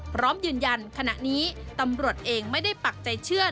พร้อมยืนยันขณะนี้ตำรวจเองไม่ได้ปักใจเชื่อ